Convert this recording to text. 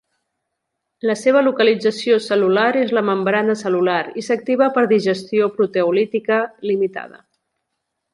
La seva localització cel·lular és la membrana cel·lular i s'activa per digestió proteolítica limitada.